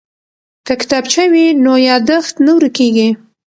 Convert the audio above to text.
که کتابچه وي نو یادښت نه ورکیږي.